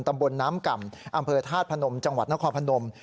ตำบลน้ำก่ำอำเภอธาตุพนมจังหวัดนครพนม